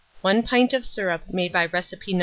1 pint of syrup made by recipe No.